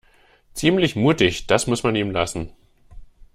Ziemlich mutig, das muss man ihm lassen.